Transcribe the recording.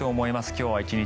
今日は１日。